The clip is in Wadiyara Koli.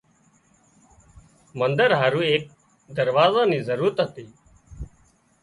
منۮر هارُو ايڪ دروازا نِي ضرورت هتي